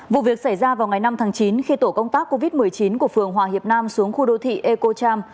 vụ việc xảy ra vào ngày năm tháng chín khi tổ công tác covid một mươi chín của phường hòa hiệp nam xuống khu đô thị ecocham